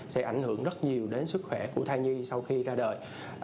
sẽ ảnh hưởng rất nhiều đến sức khỏe của thai nhi sau khi ra đời